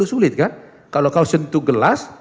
ya kalau kau sentuh gelas